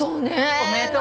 おめでとう！